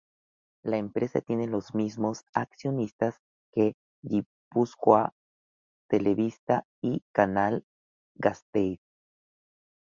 La empresa tiene los mismos accionistas que Gipuzkoa Telebista y Canal Gasteiz.